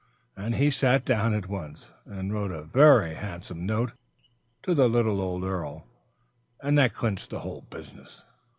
And he sat down at once and wrote a very handsome note to the little old earl, and that clinched the whole business.